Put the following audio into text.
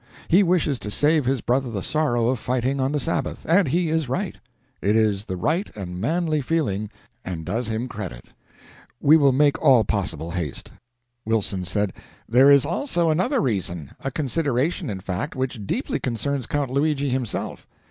He wishes to save his brother the sorrow of fighting on the Sabbath, and he is right; it is the right and manly feeling and does him credit. We will make all possible haste." Wilson said: "There is also another reason a consideration, in fact, which deeply concerns Count Luigi himself.